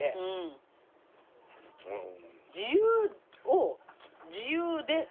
自由を自由で。